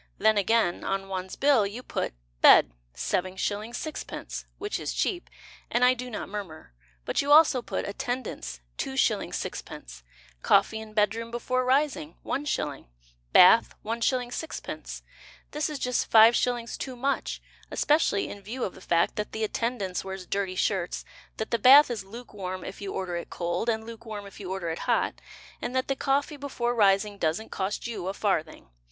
Then, again, on one's bill You put Bed, 7s. 6d. Which is cheap; And I do not murmur; But you also put Attendance, 2s. 6d.; Coffee in bedroom before rising, 1s.; Bath, 1s. 6d.; This is just 5s. too much, Especially in view of the fact That the attendance wears dirty shirts, That the bath Is lukewarm if you order it cold And lukewarm if you order it hot; And that the coffee before rising Doesn't cost you a farthing.